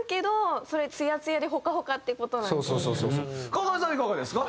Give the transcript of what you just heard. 川上さんはいかがですか？